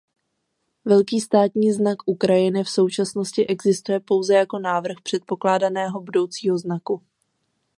Velký státní znak Ukrajiny v současnosti existuje pouze jako návrh předpokládaného budoucího znaku.